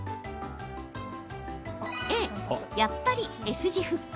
Ａ・やっぱり、Ｓ字フック。